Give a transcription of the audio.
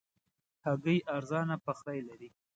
هګۍ ارزانه پخلی لري.